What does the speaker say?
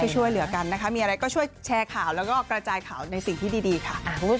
ช่วยเหลือกันนะคะมีอะไรก็ช่วยแชร์ข่าวแล้วก็กระจายข่าวในสิ่งที่ดีค่ะ